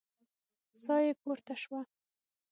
ساه يې پورته شوه.